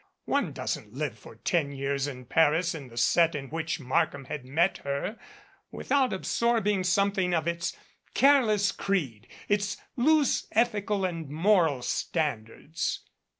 One doesn't live for ten years in Paris in the set in which Markham had met her without absorbing something of its careless creed, its loose ethical and moral standards.